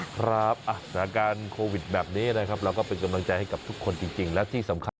ครับสถานการณ์โควิดแบบนี้นะครับเราก็เป็นกำลังใจให้กับทุกคนจริงและที่สำคัญ